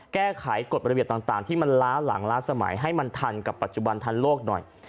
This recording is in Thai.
แก้ไขกฎระเบียบต่างที่มันล้าหลังล้าสมัยให้มันทันกับปัจจุบันทันโลกหน่อย